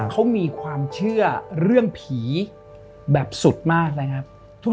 เขามีความเชื่อเรื่องผีแบบสุดมากนะครับ